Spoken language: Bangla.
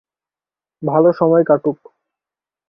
ভালো সময় কাটুক!